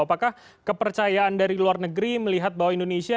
apakah kepercayaan dari luar negeri melihat bahwa indonesia